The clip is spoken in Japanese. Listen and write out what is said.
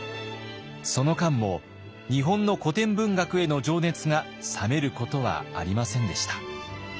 その間も日本の古典文学への情熱が冷めることはありませんでした。